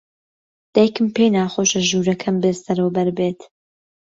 دایکم پێی ناخۆشە ژوورەکەم بێسەروبەر بێت.